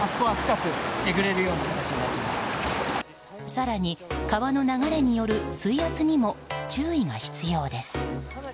更に川の流れによる水圧にも注意が必要です。